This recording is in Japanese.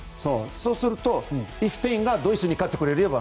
そうすると、スペインがドイツに勝ってくれれば。